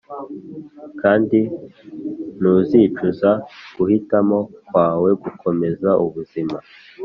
kandi ntuzicuza guhitamo kwawe gukomeza ubuzima.